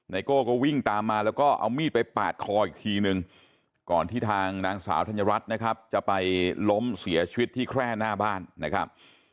โก้ก็วิ่งตามมาแล้วก็เอามีดไปปาดคออีกทีนึงก่อนที่ทางนางสาวธัญรัฐนะครับจะไปล้มเสียชีวิตที่แคร่หน้าบ้านนะครับ